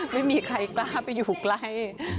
ไม่มีใครกล้าไปอยู่ใกล้